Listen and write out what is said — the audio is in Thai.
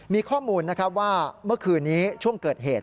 มีข้อมูลนะครับว่าเมื่อคืนนี้ช่วงเกิดเหตุ